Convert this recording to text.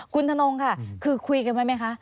คุณธนงค่ะคือคุยกันไว้ไหมคะ